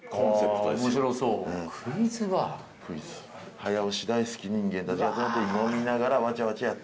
早押し大好き人間たちが飲みながらわちゃわちゃやって。